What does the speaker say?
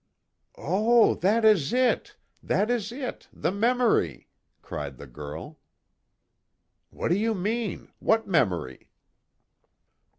"Oh, that is it! That is it! The memory!" cried the girl. "What do you mean? What memory?"